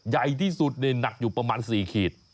ใหญ่ที่สุดหนักอยู่ประมาณ๔ขีด